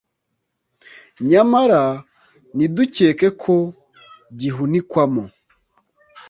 nyamara ntidukeke ko gihunikwamo